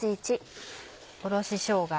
おろししょうが。